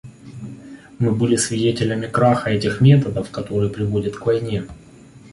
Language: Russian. Мы были свидетелями краха этих методов, который приводит к войне.